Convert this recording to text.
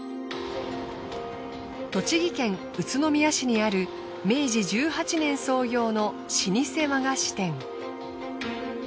栃木県宇都宮市にある明治１８年創業の老舗和菓子店。